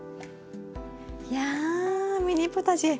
いやミニポタジェ。